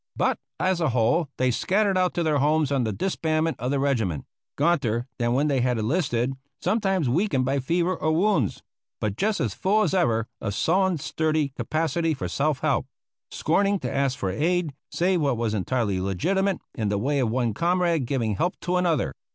But, as a whole, they scattered out to their homes on the disbandment of the regiment; gaunter than when they had enlisted, sometimes weakened by fever or wounds, but just as full as ever of sullen, sturdy capacity for self help; scorning to ask for aid, save what was entirely legitimate in the way of one comrade giving help to another.